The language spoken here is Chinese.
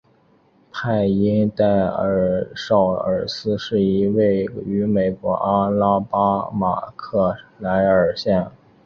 派因代尔绍尔斯是一个位于美国阿拉巴马州圣克莱尔县的非建制地区。